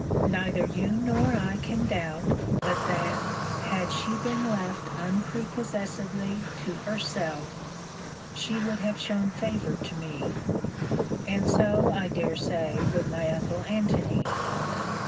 Neither you nor I can doubt, but that, had she been left unprepossessedly to herself, she would have shown favour to me. And so, I dare say, would my uncle Antony.